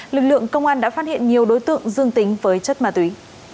lực lượng công an đã phát hiện nhiều đối tượng dương tính với chất ma túy